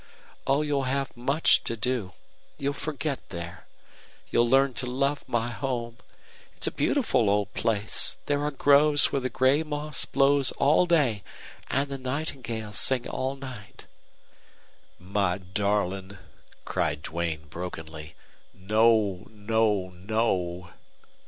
Oh, you'll have much to do. You'll forget there. You'll learn to love my home. It's a beautiful old place. There are groves where the gray moss blows all day and the nightingales sing all night." "My darling!" cried Duane, brokenly. "No, no, no!"